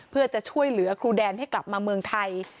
เพื่อจะช่วยเหลือครูแดนให้กลับมาเมืองไทย